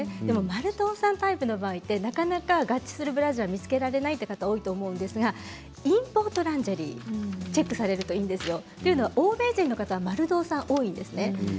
でも丸胴さんタイプの場合はなかなか合致するブラジャーを見つけられないという方多いと思うんですがインポートランジェリーをチェックするといいんですよ。というのは欧米人の方は丸胴さんが多いんですね。